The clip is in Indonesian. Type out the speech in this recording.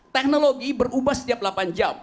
teknologi berubah setiap delapan jam